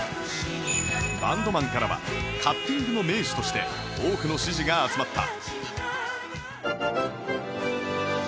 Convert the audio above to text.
バンドマンからはカッティングの名手として多くの支持が集まった